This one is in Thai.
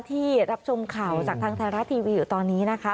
ที่รับชมข่าวจากทางไทยรัฐทีวีอยู่ตอนนี้นะคะ